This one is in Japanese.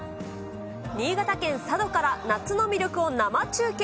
新潟県佐渡島から夏の魅力を生中継。